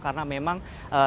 karena memang lima puluh